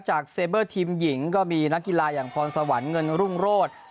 เซเบอร์ทีมหญิงก็มีนักกีฬาอย่างพรสวรรค์เงินรุ่งโรธ